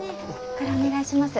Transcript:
これお願いします。